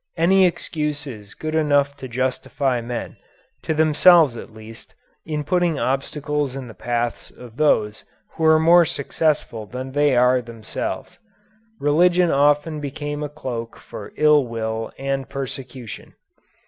Any excuse is good enough to justify men, to themselves at least, in putting obstacles in the paths of those who are more successful than they are themselves. Religion often became a cloak for ill will and persecution.